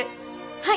はい！